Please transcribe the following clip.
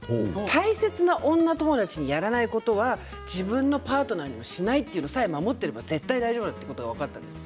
大切な女友達にやらないことを自分のパートナーにしないというのを守っていれば大丈夫ということが分かったんです。